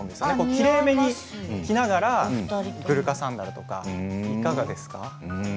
きれいめにいきながらグルカサンダルとはいかがですか。